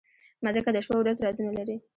مځکه د شپو ورځو رازونه لري.